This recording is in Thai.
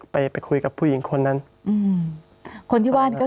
พี่เรื่องมันยังไงอะไรยังไง